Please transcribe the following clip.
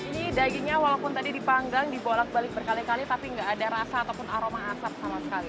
ini dagingnya walaupun tadi dipanggang dibolak balik berkali kali tapi nggak ada rasa ataupun aroma asap sama sekali